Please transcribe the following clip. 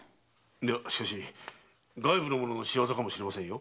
いやしかし外部の者の仕業かもしれませんよ。